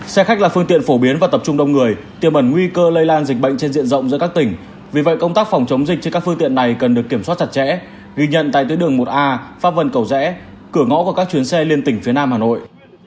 xe khách là phương tiện phổ biến và tập trung đông người tiềm ẩn nguy cơ lây lan dịch bệnh trên diện rộng giữa các tỉnh vì vậy công tác phòng chống dịch trên các phương tiện này cần được kiểm soát chặt chẽ ghi nhận tại tuyến đường một a pháp vân cầu rẽ cửa ngõ của các chuyến xe liên tỉnh phía nam hà nội